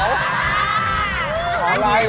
อะไรว่ะแมละ